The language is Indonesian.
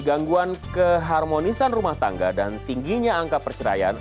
gangguan keharmonisan rumah tangga dan tingginya angka perceraian